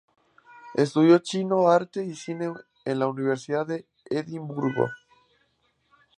Estudió chino, arte y cine en la Universidad de Edimburgo.